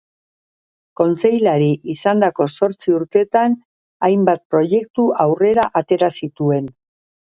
Kontseilari izandako zortzi urteetan hainbat proiektu aurrera atera zituen.